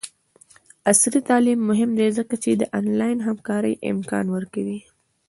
عصري تعلیم مهم دی ځکه چې د آنلاین همکارۍ امکان ورکوي.